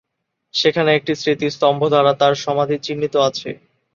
সেখানে একটি স্মৃতিস্তম্ভ দ্বারা তার সমাধি চিহ্নিত আছে।